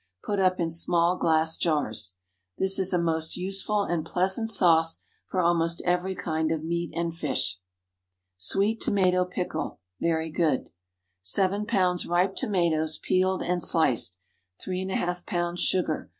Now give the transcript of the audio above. Put up in small glass jars. This is a most useful and pleasant sauce for almost every kind of meat and fish. SWEET TOMATO PICKLE. (Very good.) ✠ 7 lbs. ripe tomatoes, peeled and sliced. 3½ lbs. sugar.